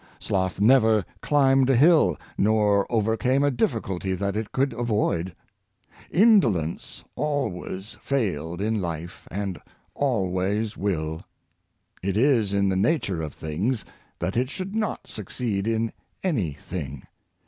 Sloth never climbed a hill, nor overcame a difficulty that it could avoid. Indolence always failed in life, and alwa3's will. It is in the nature of things that it should not succeed in any thing.